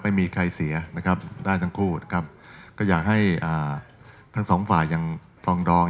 ไม่มีใครเสียนะครับได้ทั้งคู่นะครับก็อยากให้ทั้งสองฝ่ายยังฟองดอง